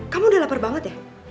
kamu udah lapar banget ya